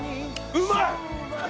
うまい！